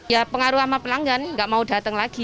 ya pengaruh sama pelanggan nggak mau datang lagi